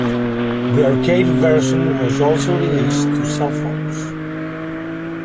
The arcade version was also released to cell phones.